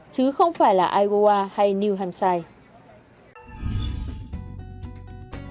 chứ không phải là iowa hay new york